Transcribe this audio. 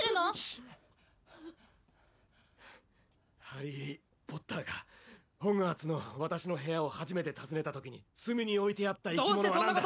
ハリー・ポッターがホグワーツの私の部屋を初めて訪ねた時に隅に置いてあった生き物は何だ？